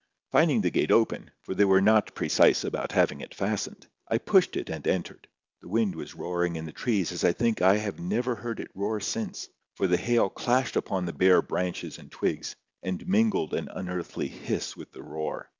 Finding the gate open, for they were not precise about having it fastened, I pushed it and entered. The wind was roaring in the trees as I think I have never heard it roar since; for the hail clashed upon the bare branches and twigs, and mingled an unearthly hiss with the roar.